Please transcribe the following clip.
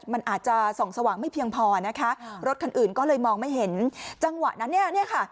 มันอาจจะส่องสว่างไม่เพียงพอนะคะรถคันอื่นก็เลยมองไม่เห็นจังหวะนั้นเนี่ยค่ะ